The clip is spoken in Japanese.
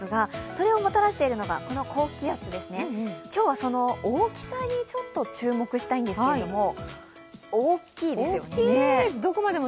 それをもたらしているのがこの高気圧ですね、今日は大きさにちょっと注目したいんですけども、大きいですよね。